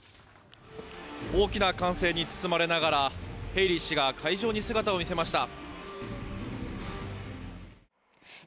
大きな歓声に包まれながらヘイリー氏が会場に姿を見せました。